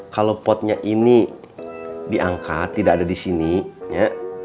kalau potnya ini diangkat tidak ada di sini ya